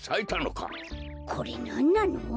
これなんなの？